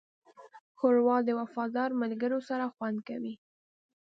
ښوروا د وفادار ملګرو سره خوند کوي.